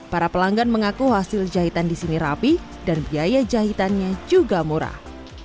para pelanggan mengaku hasil jahitan di sini rapi dan biaya jahitannya juga murah